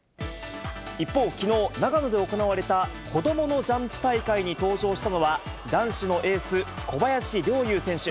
一方、きのう、長野で行われた子どものジャンプ大会に登場したのは、男子のエース、小林陵侑選手。